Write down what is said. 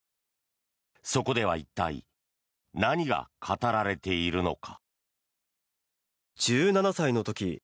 そこでは一体、何が語られているのか。